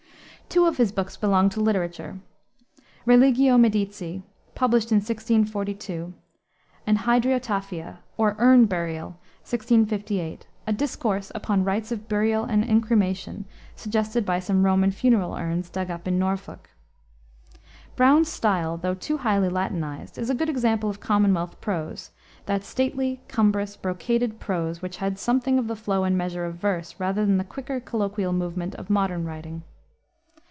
Two of his books belong to literature, Religio Medici, published in 1642, and Hydriotaphia; or, Urn Burial, 1658, a discourse upon rites of burial and incremation, suggested by some Roman funeral urns, dug up in Norfolk. Browne's style, though too highly Latinized, is a good example of Commonwealth prose, that stately, cumbrous, brocaded prose, which had something of the flow and measure of verse, rather than the quicker, colloquial movement of modern writing.